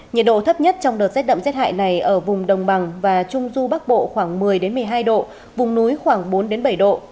nhiệt độ thấp nhất trong đợt rét đậm rét hại này ở vùng đồng bằng và trung du bắc bộ khoảng một mươi một mươi hai độ vùng núi khoảng bốn bảy độ